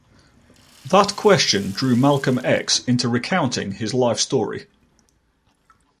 That question drew Malcolm X into recounting his life story.